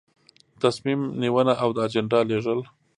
تصمیم نیونه او د اجنډا لیږل.